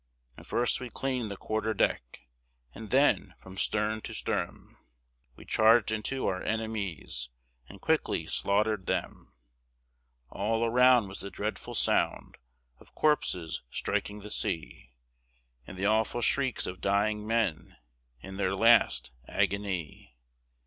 And first we cleaned the quarter deck, And then from stern to stem We charged into our enemies And quickly slaughtered them. All around was the dreadful sound Of corpses striking the sea, And the awful shrieks of dying men In their last agony.